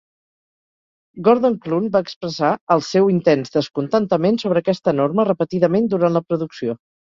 Gordon Clune va expressar el seu intens descontentament sobre aquesta norma repetidament durant la producció.